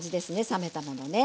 冷めたものね。